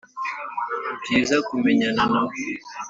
nibyiza kumenyana nawe